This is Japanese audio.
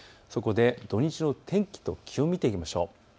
土日の天気と気温を見ていきましょう。